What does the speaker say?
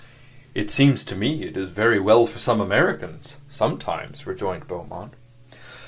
"It seems to me it is very well for some Americans, sometimes," rejoined Beaumont.